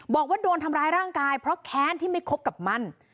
บอกว่าโดนทำร้ายร่างกายเพราะแค้นที่ไม่คบกับมัน